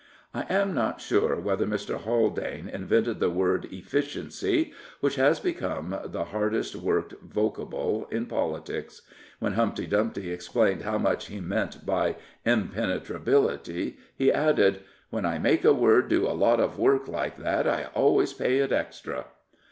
I am not sure whether Mr. Haldane invented the word " efficiency," which has become the hardest worked vocable in politics. When Humpty Dumpty explained how much he meant by " Impenetrability," he added, " When I make a word do a lot of work like that I always pay it extra."